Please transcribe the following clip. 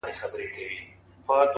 توره; لونگينه; تکه سپينه ياره;